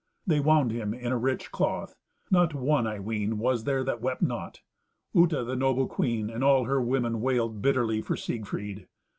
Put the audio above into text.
They wound him in a rich cloth. Not one, I ween, was there that wept not. Uta, the noble queen and all her women wailed bitterly for Siegfried.